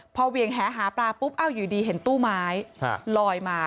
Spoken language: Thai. พอเวียงแหหาปลาปุ๊บอยู่ดีเห็นตู้ไม้ลอยมา